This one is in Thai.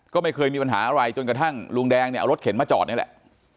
ก็ไม่เคยมีปัญหาอะไรจนกระทั่งลุงแดงเนี่ยเอารถเข็นมาจอดนี่แหละ